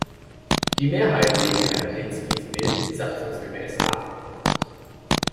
Die Mehrheit lehnte Kandinskys Bild satzungsgemäß ab.